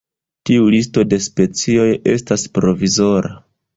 Tiu listo de specioj estas provizora.